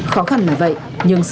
khó khăn là vậy nhưng